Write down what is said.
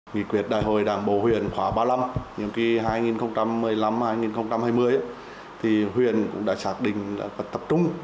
nghị quyết đại hội đảng bộ huyện khóa ba mươi năm nhiệm kỳ hai nghìn một mươi năm hai nghìn hai mươi huyện cũng đã xác định là tập trung